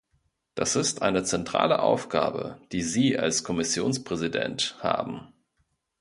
Das ist eine zentrale Aufgabe, die Sie als Kommissionspräsident haben.